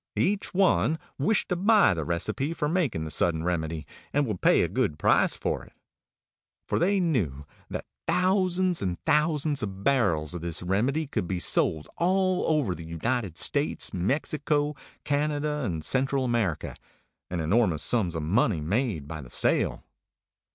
Each one wished to buy the recipe for making the Sudden Remedy, and would pay a good price for it. For they knew that thousands and thousands of barrels of this Remedy could be sold all over the United States, Mexico, Canada, and Central America, and enormous sums of money made by the sale.